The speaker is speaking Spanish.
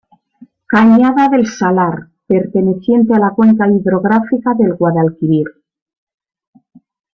Cañada del Salar, perteneciente a la Cuenca Hidrográfica del Guadalquivir.